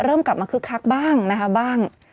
เริ่มกลับมาคึกคักบ้างนะครับบ้าง